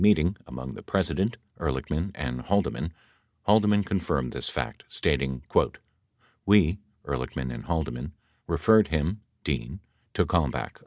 52 meeting among the President, Ehrlichman and Haldeman, Haldeman confirmed this fact, stating, "we [Ehrlichman and Haldeman] referred him [Dean] to Kalmbach."